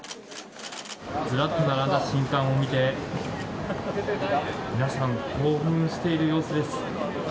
ずらっと並んだ新刊を見て皆さん、興奮している様子です。